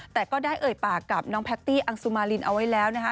แต่ก็ได้เอ่ยปากกับน้องแพตตี้อังสุมารินเอาไว้แล้วนะคะ